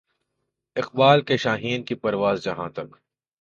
اقبال کے شاھین کی پرواز جہاں تک